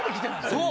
そう！